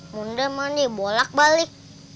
bunda mau dibolak balik